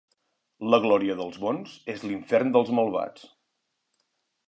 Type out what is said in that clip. La glòria dels bons és l'infern dels malvats.